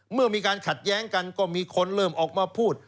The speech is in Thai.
เมื่อมีการขัดแย้งกันก็มีคนเริ่มออกมาพูด